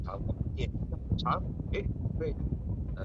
山蒿为菊科蒿属的植物。